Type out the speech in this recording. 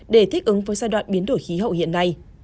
để thích ứng với giai đoạn biến đổi khí hậu hiện nay